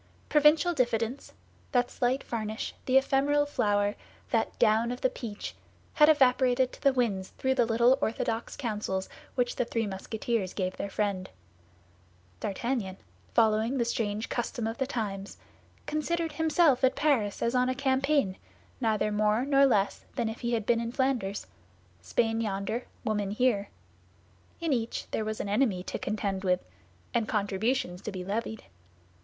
Provincial diffidence, that slight varnish, the ephemeral flower, that down of the peach, had evaporated to the winds through the little orthodox counsels which the three Musketeers gave their friend. D'Artagnan, following the strange custom of the times, considered himself at Paris as on a campaign, neither more nor less than if he had been in Flanders—Spain yonder, woman here. In each there was an enemy to contend with, and contributions to be levied.